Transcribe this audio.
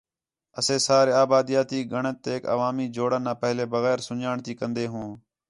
اَسے سارے آبادیاتی ڳَݨَتیک عوامی جوڑݨ آ پہلے بغیر سُن٘ڄاݨ تی کندے ہوں۔